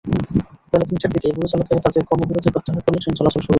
বেলা তিনটার দিকে পরিচালকেরা তাঁদের কর্মবিরতি প্রত্যাহার করলে ট্রেন চলাচল শুরু হয়।